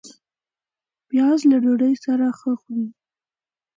پیاز له ډوډۍ سره ښه خوري